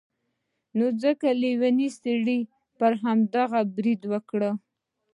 نو ځکه لیوني سړي پر همدغو برید وکړ.